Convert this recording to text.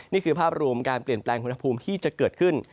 นี่คือภาพรวมการเปลี่ยนแปลงอุณหภูมิที่จะเกิดขึ้น